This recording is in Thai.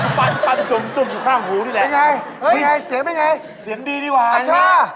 เป็นไงเป็นไงเสียงเป็นไงเสียงดีดีวะอัช่า